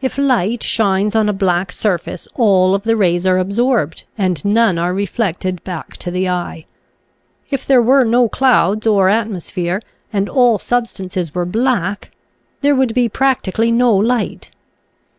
If light shines on a black sur face all of the rays are absorbed and none are reflected back to the eye. If there were no clouds or atmosphere and all substances were black there would be practically no light.